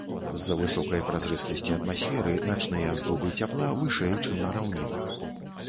З-за высокай празрыстасці атмасферы начныя згубы цяпла вышэй, чым на раўнінах.